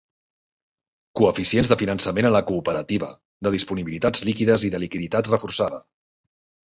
Coeficients de finançament a la cooperativa, de disponibilitats líquides i de liquiditat reforçada.